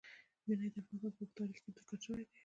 منی د افغانستان په اوږده تاریخ کې ذکر شوی دی.